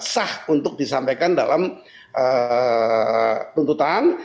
sah untuk disampaikan dalam tuntutan